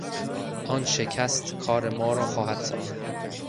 آن شکست کار ما را خواهد ساخت.